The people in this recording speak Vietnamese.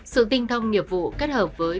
sự tinh thông nghiệp vụ kết hợp với